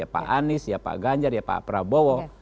pak anies pak ganjar pak prabowo